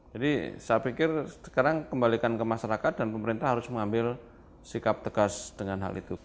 jadi saya pikir sekarang kembalikan ke masyarakat dan pemerintah harus mengambil sikap tegas dengan hal itu